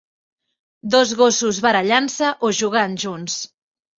Dos gossos barallant-se o jugant junts.